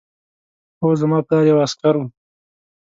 هو زما پلار یو عسکر و